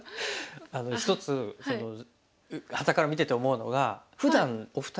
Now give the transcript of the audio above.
あのひとつはたから見てて思うのがふだんお二人